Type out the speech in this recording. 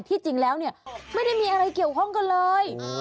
จริงแล้วเนี่ยไม่ได้มีอะไรเกี่ยวข้องกันเลย